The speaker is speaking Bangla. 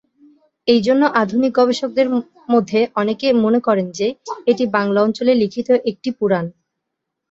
এই জন্য আধুনিক গবেষকদের মধ্যে অনেকে মনে করেন যে, এটি বাংলা অঞ্চলে লিখিত একটি পুরাণ।